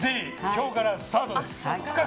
今日からスタートです。